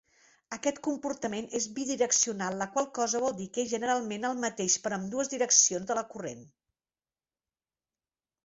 Aquest comportament és bidireccional, la qual cosa vol dir que és generalment el mateix per a ambdues direccions de la corrent.